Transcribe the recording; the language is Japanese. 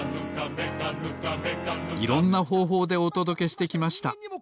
いろんなほうほうでおとどけしてきました。